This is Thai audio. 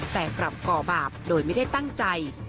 แต่กลับก่อบาปโดยไม่ได้ตั้งใจ